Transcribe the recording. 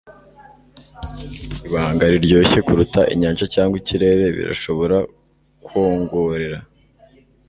Ibanga riryoshye kuruta inyanja cyangwa ikirere birashobora kwongorera